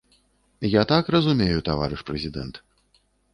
Я так разумею, таварыш прэзідэнт.